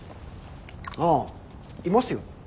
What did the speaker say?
あぁいますよ。